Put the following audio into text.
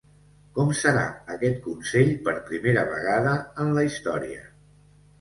Com serà aquest Consell per primera vegada en la història?